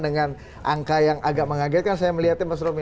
dengan angka yang agak mengagetkan saya melihatnya mas romy